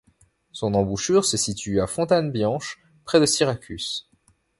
Son embouchure se situe à Fontane Bianche près de Syracuse.